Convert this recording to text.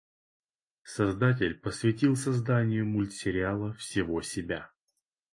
Создатель посвятил созданию мультсериала всего себя.